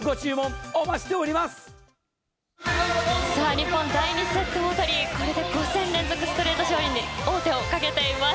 日本、第２セットを取りこれで５戦連続ストレート勝利に王手をかけています。